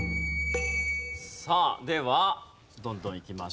さあではどんどんいきましょう。